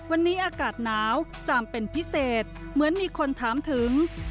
วันนี้อากาศหนาวจำเป็นพิเศษเหมือนมีคนถามถึง